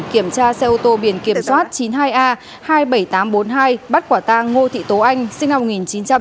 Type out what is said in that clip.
kiểm tra xe ô tô biển kiểm soát chín mươi hai a hai mươi bảy nghìn tám trăm bốn mươi hai bắt quả tang ngô thị tố anh sinh năm một nghìn chín trăm tám mươi